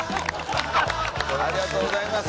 ありがとうございます。